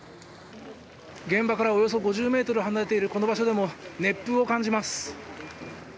現場からおよそ５０ｍ離れている、この場所でも熱風を感じます。